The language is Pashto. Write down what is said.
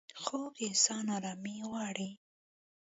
خوب د انسان آرامي غواړي